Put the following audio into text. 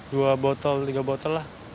dua botol tiga botol lah